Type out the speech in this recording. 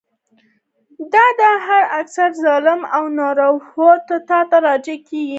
د ده د هر عسکر ظلم او ناروا ده ته راجع کېږي.